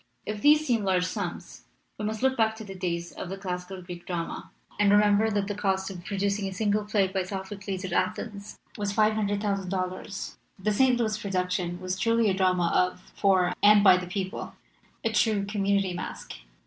If these seem large sums, we must look back to the. days of the classic Greek drama and remember that the cost of producing a single play by Sophocles at Athens was $500,000. "The St. Louis production was truly a drama of, for, and by the people, a true community masque.